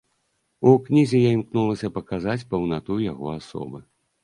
У кнізе я імкнулася паказаць паўнату яго асобы.